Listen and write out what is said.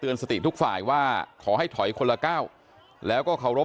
โคศกรรชาวันนี้ได้นำคลิปบอกว่าเป็นคลิปที่ทางตำรวจเอามาแถลงวันนี้นะครับ